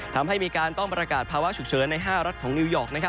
ทำให้มีการต้องประกาศภาวะฉุกเฉินใน๕รัฐของนิวยอร์ก